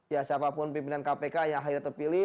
ya siapapun pimpinan kpk yang akhirnya terpilih